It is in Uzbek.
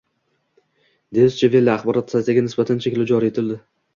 “Deutsche Welle” axborot saytiga nisbatan cheklov joriy etilding